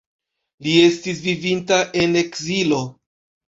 Li estis vivinta en ekzilo.